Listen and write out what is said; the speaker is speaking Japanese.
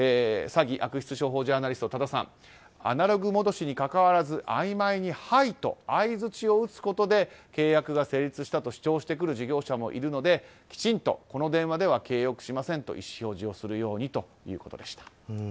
詐欺・悪徳商法ジャーナリストの多田さんはアナログ戻しにかかわらずあいまいにはいと相づちを打つことで契約が成立したと主張してくる事業者もいるのできちんと、この電話では契約しませんと意思表示をするようにということでした。